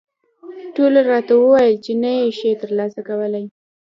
ټولو راته وویل چې نه یې شې ترلاسه کولای.